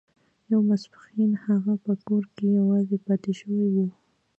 یو ماسپښین هغه په کور کې یوازې پاتې شوی و